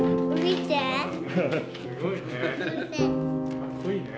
かっこいいね。